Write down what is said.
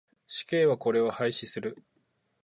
死刑はこれを廃止する。